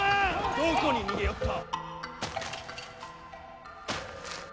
どこに逃げおった！